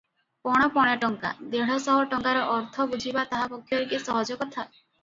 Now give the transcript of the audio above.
ପଣ ପଣ ଟଙ୍କା, ଦେଢ଼ଶହ ଟଙ୍କାର ଅର୍ଥ ବୁଝିବା ତାହା ପକ୍ଷରେ କି ସହଜ କଥା?